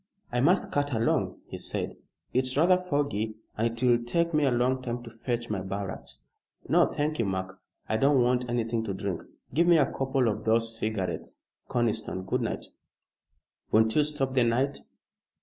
"I must cut along," he said; "it's rather foggy and it will take me a long time to fetch my barracks. No, thank you, Mark, I don't want anything to drink. Give me a couple of those cigarettes, Conniston. Good night." "Won't you stop the night?"